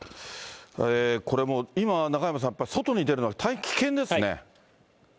これも、今、中山さん、やっぱ外に出るのは大変危険ですね。